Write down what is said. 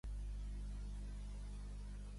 Es troba al Pacífic: les Illes Kurils.